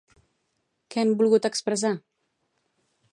Què han volgut expressar?